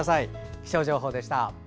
気象情報でした。